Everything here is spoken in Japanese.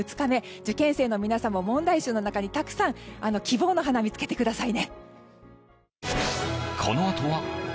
受験生の皆さんも問題集の中にたくさん希望の花を見つけてくださいね。